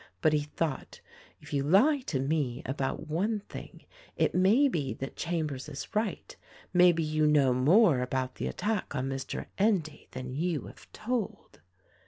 But he thought: "If you lie to me about one thing it maybe that Chambers is right — maybe you know more about the attack on Mr. Endy than you have told."